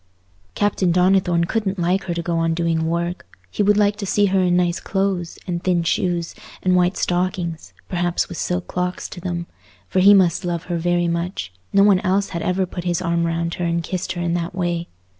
Captain Donnithorne couldn't like her to go on doing work: he would like to see her in nice clothes, and thin shoes, and white stockings, perhaps with silk clocks to them; for he must love her very much—no one else had ever put his arm round her and kissed her in that way.